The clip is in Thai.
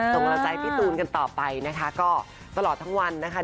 ส่งกำลังใจพี่ตูนกันต่อไปนะคะก็ตลอดทั้งวันนะคะ